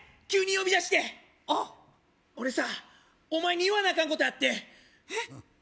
急に呼び出しておっ俺さお前に言わなあかんことあってへっ？